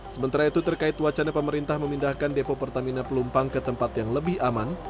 sementara itu terkait wacana pemerintah memindahkan depo pertamina pelumpang ke tempat yang lebih aman